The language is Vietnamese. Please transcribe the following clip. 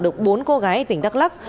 được bốn cô gái ở tỉnh đắk lắc